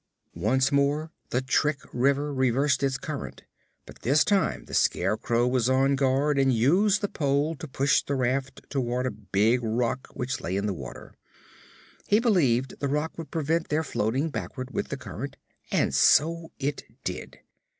Once more the trick river reversed its current, but this time the Scarecrow was on guard and used the pole to push the raft toward a big rock which lay in the water. He believed the rock would prevent their floating backward with the current, and so it did.